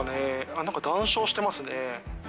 なんか談笑してますね。